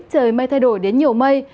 trời mây thay đổi đến nhiều mây